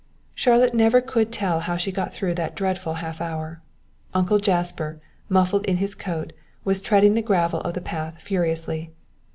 Charlotte never could tell how she got through that dreadful half hour. Uncle Jasper, muffled in his coat, was treading the gravel of the path furiously.